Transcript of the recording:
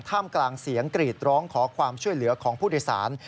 กลางเสียงกรีดร้องขอความช่วยเหลือของผู้โดยสาร